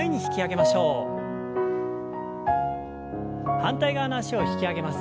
反対側の脚を引き上げます。